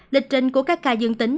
lịch trình của các ca dân tính